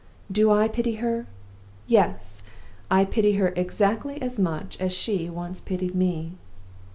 Do I pity her? Yes! I pity her exactly as much as she once pitied me!